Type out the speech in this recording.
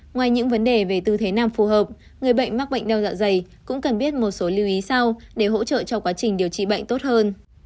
ngoài những vấn đề về tư thế nam phù hợp người bệnh mắc bệnh đau dạ dày cũng cần biết một số lưu ý sau để hỗ trợ cho quá trình điều trị bệnh tốt hơn